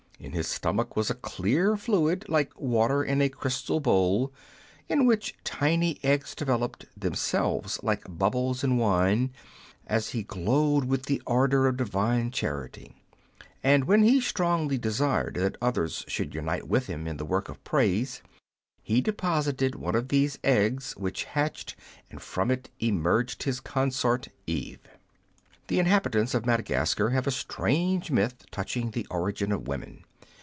In his stomach was a clear fluid, like water in a crystal bowl, in which tiny eggs developed themselves, like bubbles in wine, as he glowed with the ardour of Divine charity ; and when he strongly desired that others should unite with him in the work of praise, he deposited one of these eggs, which hatched, and from it emerged his consort. Eve. The inhabitants of Madagascar have a strange myth touching the origin of woman.